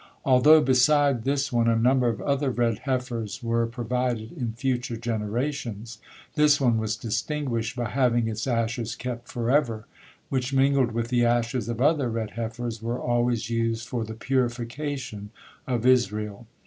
Although, beside this one, a number of other red heifers were provided in future generations, this one was distinguished by having its ashes kept forever, which, mingled with the ashes of other red heifers, were always used for the purification of Israel.